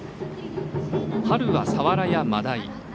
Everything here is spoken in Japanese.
春はサワラやマダイ